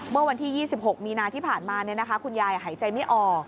เมื่อวันที่ยี่สิบหกมีนาที่ผ่านมาเนี่ยนะคะคุณยายหายใจไม่ออก